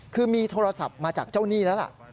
คือมีโทรศัพท์มาจากเจ้าหนี้แล้วล่ะ